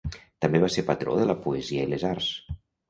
També va ser patró de la poesia i les arts.